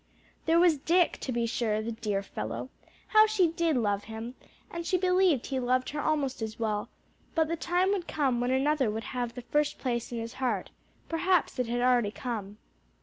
There was Dick, to be sure, the dear fellow! how she did love him! and she believed he loved her almost as well; but the time would come when another would have the first place in his heart; perhaps it had already come.